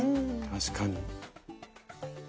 確かに。